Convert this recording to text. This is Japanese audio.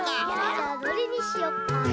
じゃあどれにしよっかな。